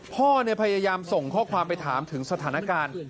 พ่อพยายามส่งข้อความไปถามถึงสถานการณ์